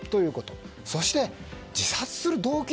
そして、自殺する動機。